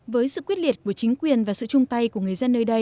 với sự quyết liệt của chính quyền và sự chung tay của người dân